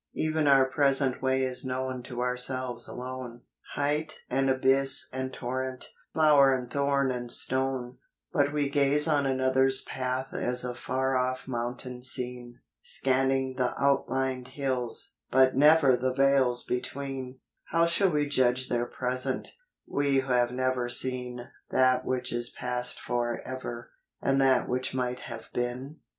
Even our present way is known to ourselves alone, Height and abyss and torrent, flower and thorn and stone; But we gaze on another's path as a far off mountain scene, Scanning the outlined hills, but never the vales be¬ tween. COMPENSA TIONS. 213 How shall we judge their present, we who have never seen That which is past for ever, and that which might have been